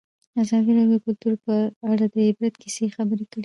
ازادي راډیو د کلتور په اړه د عبرت کیسې خبر کړي.